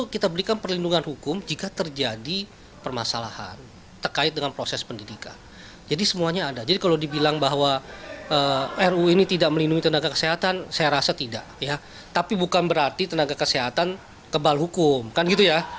kesehatan kebal hukum kan gitu ya